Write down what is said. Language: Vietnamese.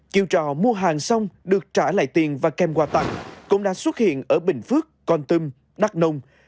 chiều trò mua hàng xong được trả lại tiền và kem quà tặng cũng đã xuất hiện ở bình phước con tâm đắk nông